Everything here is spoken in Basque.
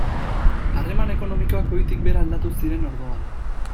Harreman ekonomikoak goitik behera aldatu ziren orduan.